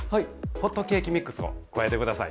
ホットケーキミックスを加えて下さい。